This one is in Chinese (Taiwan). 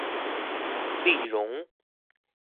立榮